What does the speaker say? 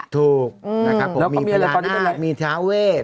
ถูกแล้วก็มีาว์นาตอนนี้เป็นอะไรมีทาเวศ